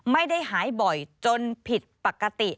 ไม่ได้หายบ่อยจนผิดปกติ